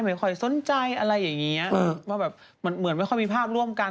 ไม่ค่อยสนใจอะไรอย่างเงี้ยว่าแบบเหมือนไม่ค่อยมีภาพร่วมกัน